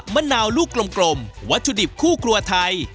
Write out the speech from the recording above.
มะนาวลูกกลมวัตถุดิบคู่ครัวไทย